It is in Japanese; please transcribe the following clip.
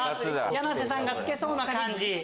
やなせさんが付けそうな感じ。